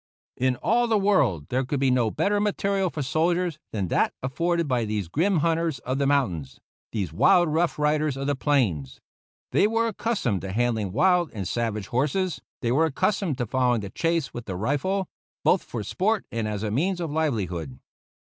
In all the world there could be no better material for soldiers than that afforded by these grim hunters of the mountains, these wild rough riders of the plains. They were accustomed to handling wild and savage horses; they were accustomed to following the chase with the rifle, both for sport and as a means of livelihood.